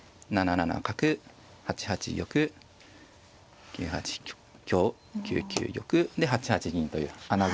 七角８八玉９八香９九玉で８八銀という穴熊。